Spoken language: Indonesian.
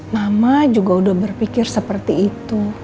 mama juga udah berpikir seperti itu